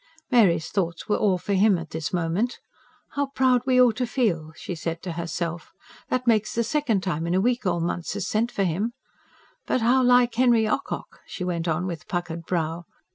Mary's thoughts were all for him in this moment. "How proud we ought to feel!" she said to herself. "That makes the second time in a week old Munce has sent for him. But how like Henry Ocock," she went on with puckered brow.